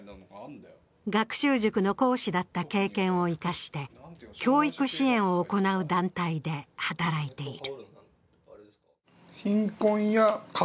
学習塾の講師だった経験を生かして教育支援を行う団体で働いている。